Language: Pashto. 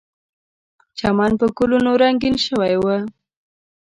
چمن په ګلونو رنګین شوی و.